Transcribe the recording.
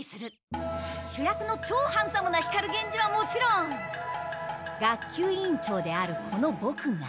主役のちょうハンサムな光源氏はもちろん学級委員長であるこのボクが。